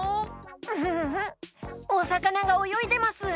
フフフフッおさかながおよいでます！